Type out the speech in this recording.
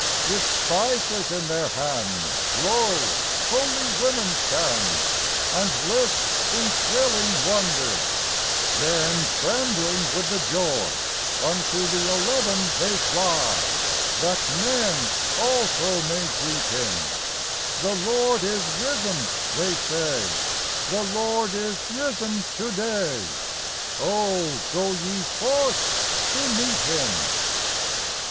With spices in their hand, Lo ! holy women stand, And list in thrilling wonder : Then, trembling with the joy, Unto the eleven they fly, That tnen also may greet Him :" The Lord is risen," they say, " The Lord is risen to day : Oh, go ye forth to meet Him